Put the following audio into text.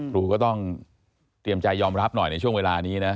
ครูก็ต้องเตรียมใจยอมรับหน่อยในช่วงเวลานี้นะ